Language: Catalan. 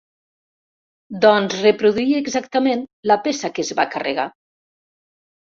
Doncs reproduir exactament la peça que es va carregar.